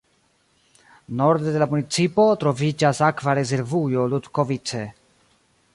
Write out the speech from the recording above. Norde de la municipo troviĝas Akva rezervujo Ludkovice.